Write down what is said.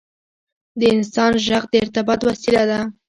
• د انسان ږغ د ارتباط وسیله ده.